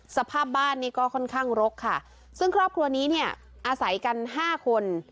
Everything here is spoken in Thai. สภาพบ้านนี้ก็ค่อนข้างรกค่ะซึ่งครอบครัวนี้เนี่ยอาศัยกันห้าคน